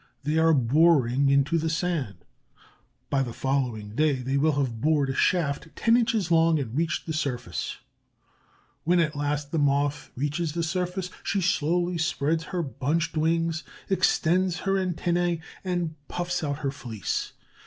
They are boring into the sand. By the following day they will have bored a shaft ten inches long and reached the surface. When at last the Moth reaches the surface, she slowly spreads her bunched wings, extends her antennæ, and puffs out her fleece.